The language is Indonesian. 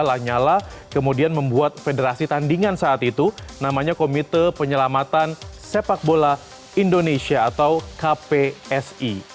lanyala kemudian membuat federasi tandingan saat itu namanya komite penyelamatan sepak bola indonesia atau kpsi